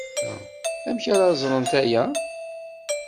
Amek ara ẓrent aya?